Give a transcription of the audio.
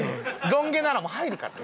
ロン毛ならもう入るから。